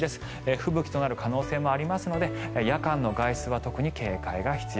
吹雪となる可能性もありますので夜間の外出は特に警戒が必要。